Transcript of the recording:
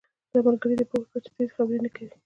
دا ملګری دې پوهه کړه چې تېزي خبرې نه کوي